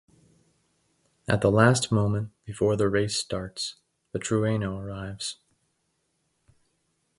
At the last moment before the race starts, the Trueno arrives.